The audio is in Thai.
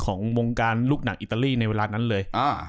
ของวงการลูกหนังอิตาลีในเวลานั้นเลย